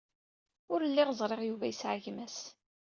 Ur lliɣ ẓriɣ Yuba yesɛa gma-s.